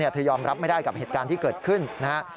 เธอยอมรับไม่ได้กับเหตุการณ์ที่เกิดขึ้นนะครับ